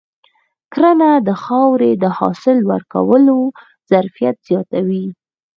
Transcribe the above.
کرنه د خاورې د حاصل ورکولو ظرفیت زیاتوي.